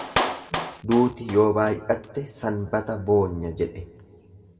Duuti yoo baay'atte sanbata boonya jedhe.